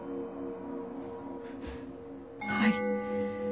はい。